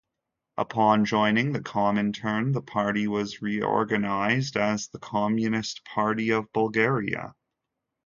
Upon joining the Comintern the party was reorganised as the Communist Party of Bulgaria.